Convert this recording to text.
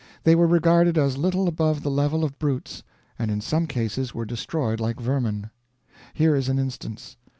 "They were regarded as little above the level of brutes, and in some cases were destroyed like vermin. "Here is an instance.